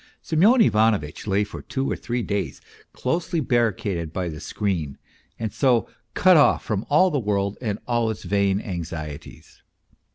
... Semyon Ivanovitch lay for two or three days closely barri caded by the screen, and so cut off from all the world and all its vain anxieties.